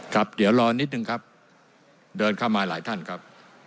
ครับเดี๋ยวรอนิดนึงครับเดินเข้ามาหลายท่านครับ